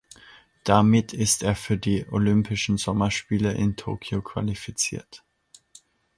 Damit ist er für die Olympischen Sommerspiele in Tokio qualifiziert.